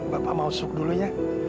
bapak masuk dulu ya